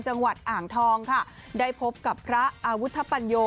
จังหวัดอ่างทองค่ะได้พบกับพระอาวุธปัญโย